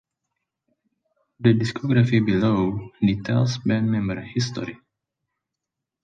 The discography below details band member history.